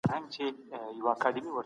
فارابي هم د افلاطون په څېر فکر درلود.